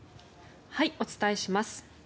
お伝えします。